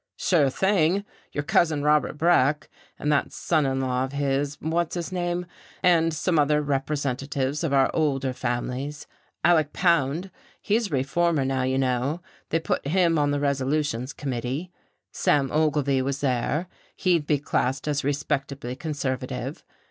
"Sure thing. Your cousin Robert Breck; and that son in law of his what's his name? And some other representatives of our oldest families, Alec Pound. He's a reformer now, you know. They put him on the resolutions committee. Sam Ogilvy was there, he'd be classed as respectably conservative.